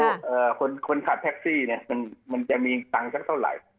คนขับแท็กซี่เนี่ยมันจะมีตังค์สักเท่าไหร่